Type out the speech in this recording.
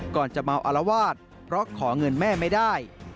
จะเมาอารวาสเพราะขอเงินแม่ไม่ได้